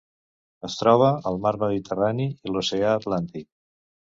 Es troba al mar Mediterrani i l'oceà Atlàntic.